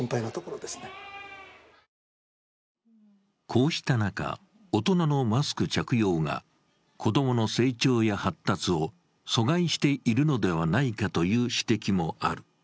こうした中、大人のマスク着用が子供の成長や発達を阻害しているのではないかという指摘もある。